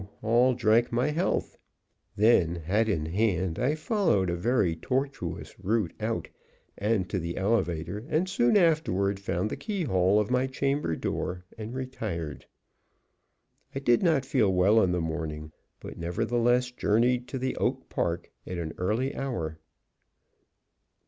all drank my health. Then, hat in hand, I followed a very tortuous route out and to the elevator, and soon afterward found the keyhole of my chamber door, and retired. I did not feel well in the morning, but nevertheless journeyed to Oak Park at an early hour.